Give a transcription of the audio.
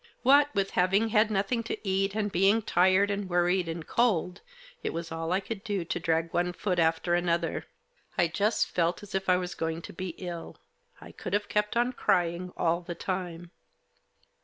What with having had nothing to eat, and being tired, and worried, and cold, it was all I could do to drag one foot after another. I just felt as if I was going to be ill. I could have kept on crying all the time.